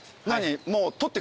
もう。